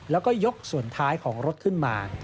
แล้วก็ยกส่วนท้ายของรถขึ้นมา